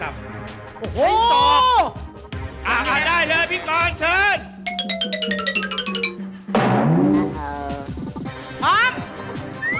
พร้อม